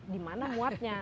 di mana muatnya